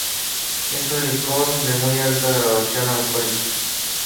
Es un licor de muy alta graduación alcohólica.